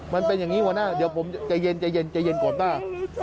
มันเป็นอย่างนี้หัวหน้าเดี๋ยวผมใจเย็นก่อนป้า